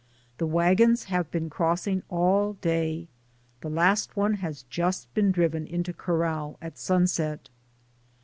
The wagons have been crossing all day, the last one has just been driven into corral at sunset.